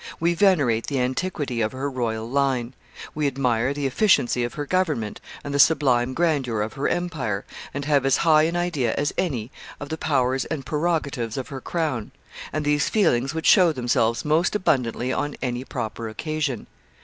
We venerate the antiquity of her royal line; we admire the efficiency of her government and the sublime grandeur of her empire, and have as high an idea as any, of the powers and prerogatives of her crown and these feelings would show themselves most abundantly on any proper occasion.